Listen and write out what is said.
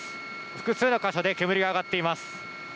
複数の箇所で煙が上がっています。